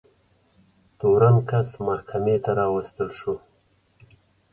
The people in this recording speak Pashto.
تورن کس محکمې ته راوستل شو.